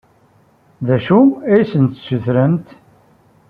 D acu i as-d-tessutremt?